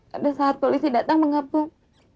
pada saat polisi datang mengepuk